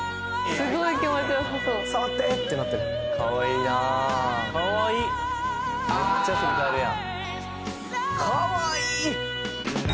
すごい気持ちよさそう触って！ってなってるかわいいなかわいいめっちゃ反り返るやんかわいい